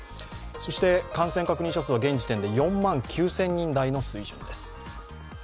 そして感染確認者数は現時点で４万９０００人台の水準です。